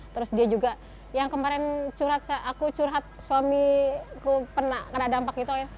terus dia juga yang kemarin curhat aku curhat suamiku pernah kena dampak gitu